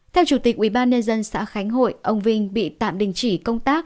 theo chủ tịch ubnd xã khánh hội ông vinh bị tạm đình chỉ công tác